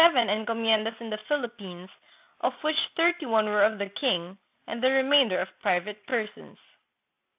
encomiendas in the Philippines, of which thirty one were of the king, and the remainder of private persons.